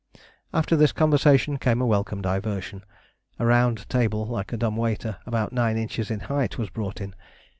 After this conversation came a welcome diversion. A round table like a dumb waiter, about 9 inches in height, was brought in.